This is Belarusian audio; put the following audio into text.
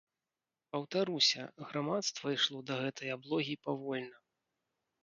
Паўтаруся, грамадства ішло да гэтай аблогі павольна.